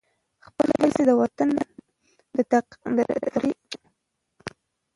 خپلې هڅې د وطن د ترقۍ لپاره وقف کړئ.